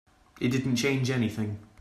It didn't change anything.